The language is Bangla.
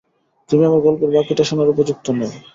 তুমি আমার গল্পের বাকিটা শোনার উপযুক্ত নও।